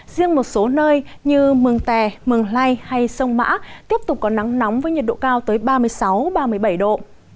riêng một số nơi như mường tè mường lây hay sông mã tiếp tục có nắng nóng với nhiệt độ cao tới ba mươi sáu ba mươi bảy độ